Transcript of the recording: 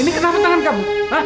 ini kenapa tangan kamu